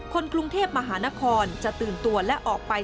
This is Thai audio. คนกรุงเทพมหานครจะตื่นตัวและออกไป